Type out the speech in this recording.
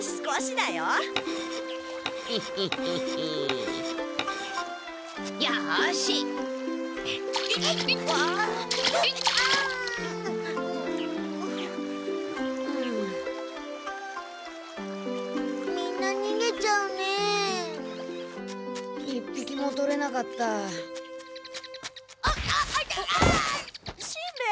しんべヱ！